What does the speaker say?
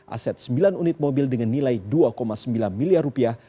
aset sembilan unit mobil dengan nilai dua sembilan miliar rupiah